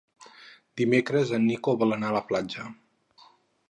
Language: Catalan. Dimecres en Nico vol anar a la platja.